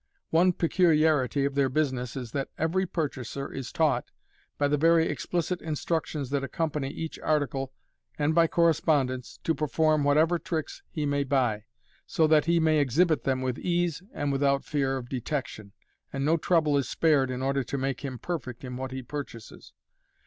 One peculiarity of their business is that every purchaser is taught, by the very explicit instructions that accompany each article and by correspondence, to perform whatever Tricks he may buy, so that he may exhibit them with ease and without fear oi detection, and no trouble is spared in order to make him perfect in what he purchases.